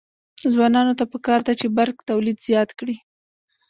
ځوانانو ته پکار ده چې، برق تولید زیات کړي.